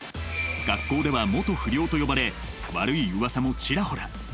学校では「元不良」と呼ばれ悪いうわさもちらほら。